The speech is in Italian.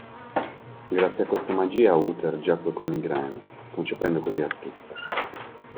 Grazie a questa magia Uther giacque con Igraine, concependo così Artù.